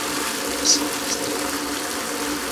Se vam ne zdi tako?